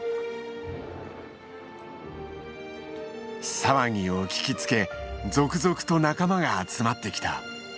騒ぎを聞きつけ続々と仲間が集まってきた。